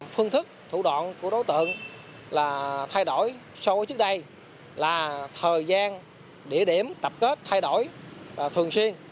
phương thức thủ đoạn của đối tượng là thay đổi so với trước đây là thời gian địa điểm tập kết thay đổi thường xuyên